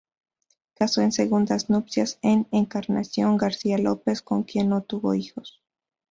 Casó en segundas nupcias con Encarnación García López, con quien no tuvo hijos.